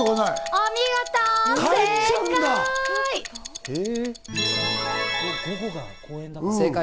お見事、正解！